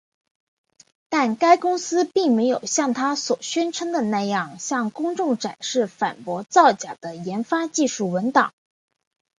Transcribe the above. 但该公司并没有像它所宣称的那样向公众展示反驳造假的研发技术文档。